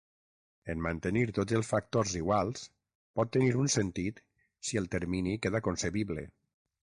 En mantenir tots els factors iguals, pot tenir un sentit si el termini queda concebible.